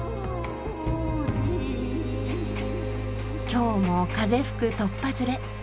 今日も風吹くとっぱずれ。